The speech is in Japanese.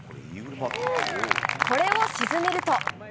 これを沈めると。